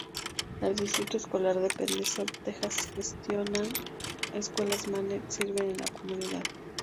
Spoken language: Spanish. El Distrito Escolar Independiente South Texas gestiona escuelas magnet que sirven a la comunidad.